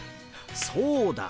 そうだ！